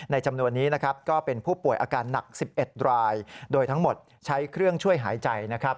จำนวนนี้นะครับก็เป็นผู้ป่วยอาการหนัก๑๑รายโดยทั้งหมดใช้เครื่องช่วยหายใจนะครับ